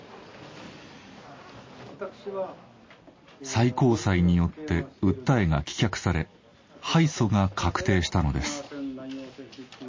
最高裁によって訴えが棄却され敗訴が確定したのです。